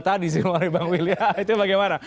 tadi sih mbak wilya itu bagaimana